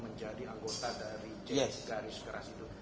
menjadi anggota dari garis keras itu